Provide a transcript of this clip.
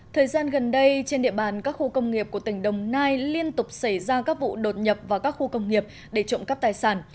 thời gian gần đây trên địa bàn các khu công nghiệp của tỉnh đồng nai liên tục xảy ra các vụ đột nhập vào các khu công nghiệp để trộm cắp tài sản